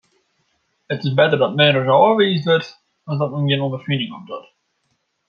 It is better dat men ris ôfwiisd wurdt as dat men gjin ûnderfining opdocht.